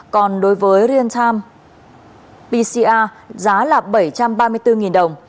còn đối với rientam pcr giá là bảy trăm ba mươi bốn đồng